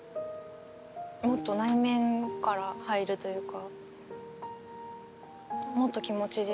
もっと内面から入るというかもっと気持ちで。